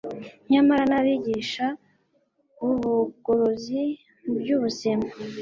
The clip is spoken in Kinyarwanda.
Nyamara nabigisha bubugorozi mu byubuzima